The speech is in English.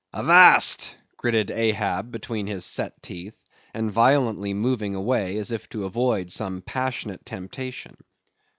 "Avast! gritted Ahab between his set teeth, and violently moving away, as if to avoid some passionate temptation.